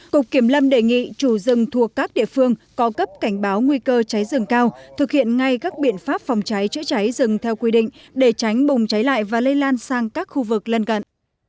cục kiểm lâm đề nghị chủ rừng thuộc các địa phương có cấp cảnh báo nguy cơ cháy rừng cao thực hiện ngay các biện pháp phòng cháy chữa cháy rừng theo quy định để tránh bùng cháy lại và lây lan sang các khu vực lân cận